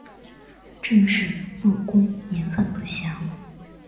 郑氏入宫年份不详。